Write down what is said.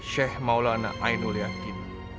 sheikh maulana ainul yakin